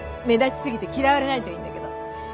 目立ち過ぎて嫌われないといいんだけど。